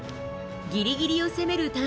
ギリギリを攻める